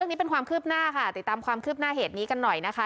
นี้เป็นความคืบหน้าค่ะติดตามความคืบหน้าเหตุนี้กันหน่อยนะคะ